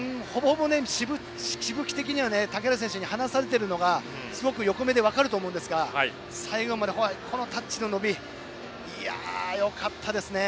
しぶき的には竹原選手に離されているのが横目で分かると思うんですがタッチの伸び、よかったですね。